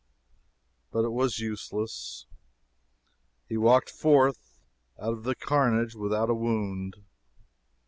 But it was useless he walked forth out of the carnage without a wound.